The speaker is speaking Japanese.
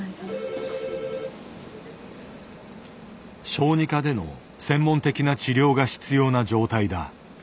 小児科での専門的な治療が必要な状態だ。